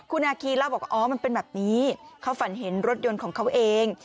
คุณอาคีเล่าบอกว่าอ๋อมันเป็นแบบนี้เขาฝันเห็นรถยนต์ของเขาเอง